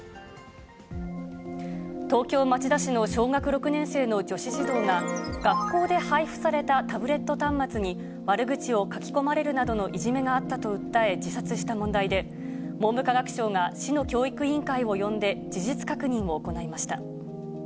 東京・町田市の小学６年生の女子児童が、学校で配布されたタブレット端末に悪口を書き込まれるなどのいじめがあったと訴え、自殺した問題で、文部科学省が市の教育委員会を呼んで、事実確認を行いました。